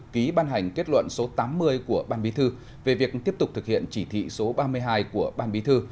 ký ban hành kết luận số tám mươi của ban bí thư về việc tiếp tục thực hiện chỉ thị số ba mươi hai của ban bí thư